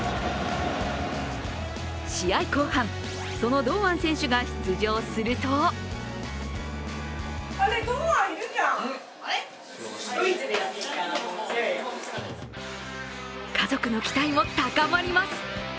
試合後半、その堂安選手が出場すると家族の期待も高まります。